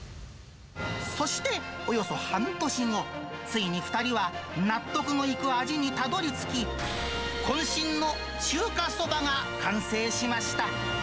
そしておよそ半年後、ついに２人は納得のいく味にたどりつき、こん身の中華そばが完成しました。